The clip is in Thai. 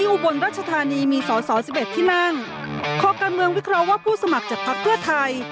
อุบลรัชธานีมีสอสอสิบเอ็ดที่นั่งคอการเมืองวิเคราะห์ว่าผู้สมัครจากพักเพื่อไทย